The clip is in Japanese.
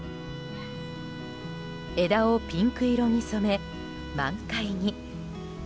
枝をピンク色に染め、満開に。